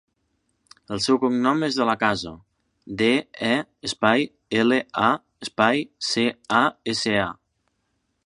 El seu cognom és De La Casa: de, e, espai, ela, a, espai, ce, a, essa, a.